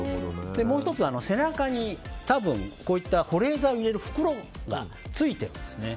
もう１つ、背中にこういった保冷剤を入れる袋がついているんですね。